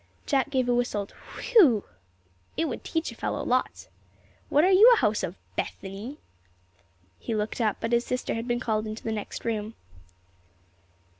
Jack gave a whistled "whe ew!" "It would teach a fellow lots. What are you a house of, Beth any?" He looked up, but his sister had been called into the next room.